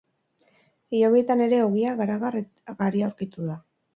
Hilobietan ere ogia, garagar et garia aurkitu da.